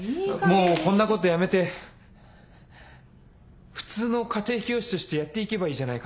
もうこんなことやめて普通の家庭教師としてやって行けばいいじゃないか。